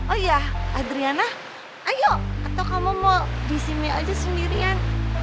oh iya adriana ayo atau kamu mau di sini aja sendirian